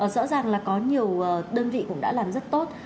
rõ ràng là có nhiều đơn vị cũng đã làm rất tốt